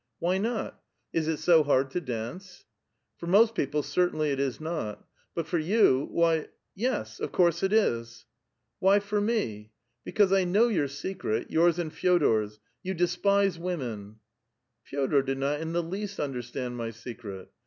" Why not? Is it so hard to dance? "" For most peojle certainly it is not ; but for you, wh^ — yes — of course it is." "Whvforme?" " Because I know your secret — yours and Fe6dor's ; you despise women !"" Ke6dor did not in the least understand my secret.